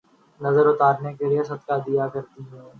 نظر اتارنے کیلئے صدقہ دیا کرتی ہوں